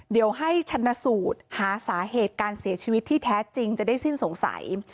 เดี๋ยวให้ชนะสูตรหาสาเหตุการเสียชีวิตที่แท้จริงจะได้สิ้นสงสัย